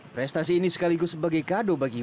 prestasi ini sekaligus sebagai kado bagi